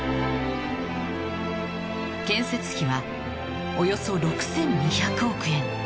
建設費はおよそ６２００億円